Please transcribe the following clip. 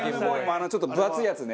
あのちょっと分厚いやつね。